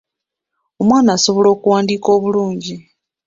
Omwana asobola okuwandiika obulungi.